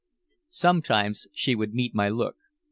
Sometimes she would meet my look.